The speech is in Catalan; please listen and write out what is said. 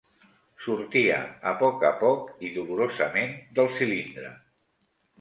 Sortia a poc a poc i dolorosament del cilindre.